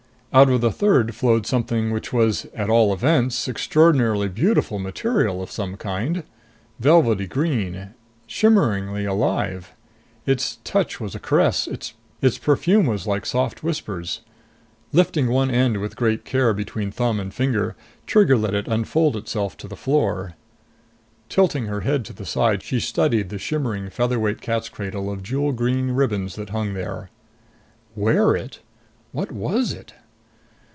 Out of the third flowed something which was, at all events, extraordinarily beautiful material of some kind. Velvety green ... shimmeringly alive. Its touch was a caress. Its perfume was like soft whispers. Lifting one end with great care between thumb and finger, Trigger let it unfold itself to the floor. Tilting her head to the side, she studied the shimmering featherweight cat's cradle of jewel green ribbons that hung there. Wear it? What was it?